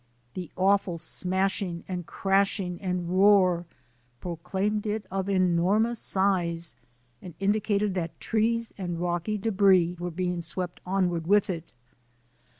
The awful smashing and crashing and roar proclaimed it of enormous size and indicated that trees and rocky debris were being swept on ward with it.